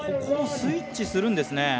ここもスイッチするんですね。